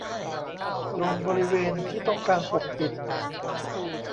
ตรงบริเวณที่ต้องการปกปิด